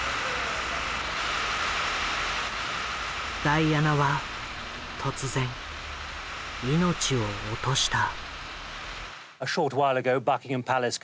ダイアナは突然命を落とした。